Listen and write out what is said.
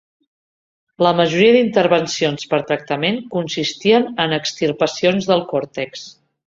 La majoria d'intervencions per tractament consistien en extirpacions del còrtex.